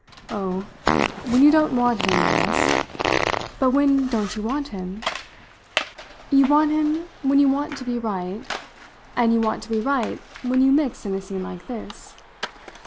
"Oh, when you don't want him yes. But when don't you want him? You want him when you want to be right, and you want to be right when you mix in a scene like this.